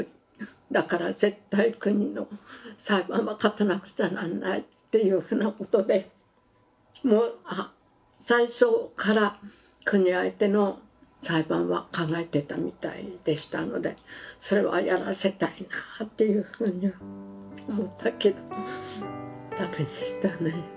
だから絶対国の裁判は勝たなくちゃなんないっていうふうなことでもう最初から国相手の裁判は考えてたみたいでしたのでそれはやらせたいなぁというふうに思ったけどもダメでしたね。